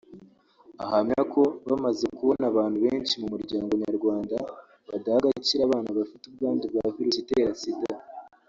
Ahamya ko bamaze kubona abantu benshi mu muryango nyarwanda badaha agaciro abana bafite ubwandu bwa virusi itera Sida